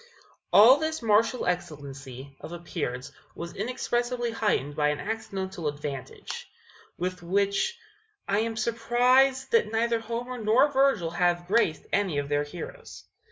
All this martial excellency of appearance was inexpressibly heightened by an accidental advantage, with which I am surprised that neither Homer nor Virgil have graced any of their heroes.